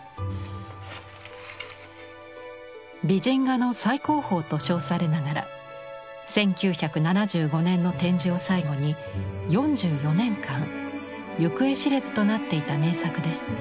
「美人画の最高峰」と称されながら１９７５年の展示を最後に４４年間行方知れずとなっていた名作です。